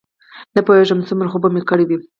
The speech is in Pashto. نه پوهېږم څومره خوب به مې کړی وي.